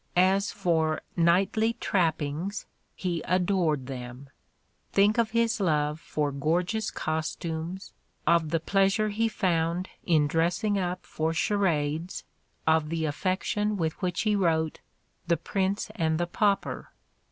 As for "knightly trappings," he adored them: think of his love for gorgeous costumes, of the pleasure he found in dressing up for charades, of the affection with which he wrote "The Prince and the Pauper"!